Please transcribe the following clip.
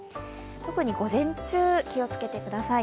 特に午前中、気をつけてください。